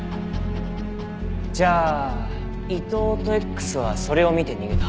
じゃあ伊藤とＸはそれを見て逃げた。